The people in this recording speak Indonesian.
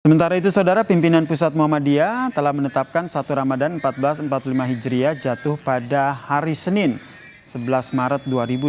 sementara itu saudara pimpinan pusat muhammadiyah telah menetapkan satu ramadhan seribu empat ratus empat puluh lima hijriah jatuh pada hari senin sebelas maret dua ribu dua puluh